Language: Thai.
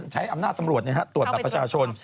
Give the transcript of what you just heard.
ใช้อำนาจตำรวจเนี่ยฮะตรวจประชาชน